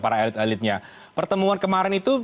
para elit elitnya pertemuan kemarin itu